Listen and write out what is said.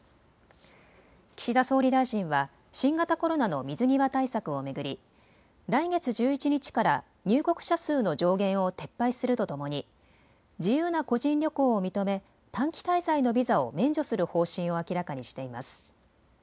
岸田総理大臣は新型コロナの水際対策を巡り、来月１１日から入国者数の上限を撤廃するとともに自由な個人旅行を認め短期滞在のビザを免除する方針を明らかにしています。